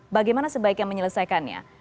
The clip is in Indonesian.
bagaimana sebaiknya menyelesaikannya